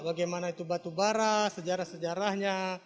bagaimana itu batubara sejarah sejarahnya